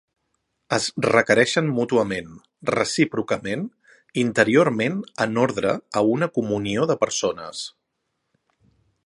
Es requereixen mútuament, recíprocament, interiorment en ordre a una comunió de persones.